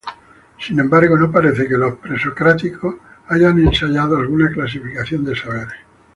Sin embargo, no parece que los presocráticos hayan ensayado alguna clasificación de saberes.